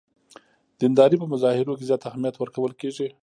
دیندارۍ په مظاهرو کې زیات اهمیت ورکول کېږي.